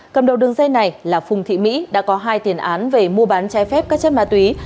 cầm đầu đường dây này là phùng thị mỹ đã có hai tiền án về mua bán trái phép các chất ma túy